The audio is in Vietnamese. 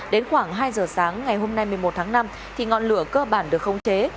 đến khoảng hai giờ sáng ngày hôm nay một mươi một tháng năm thì ngọn lửa cơ bản được khống chế